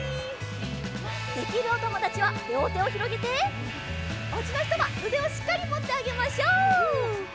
できるおともだちはりょうてをひろげておうちのひとはうでをしっかりもってあげましょう！